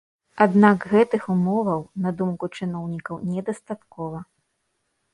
Аднак гэтых умоваў, на думку чыноўнікаў, недастаткова.